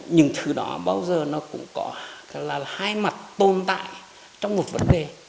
những thứ đó bao giờ nó cũng có là hai mặt tồn tại trong một vấn đề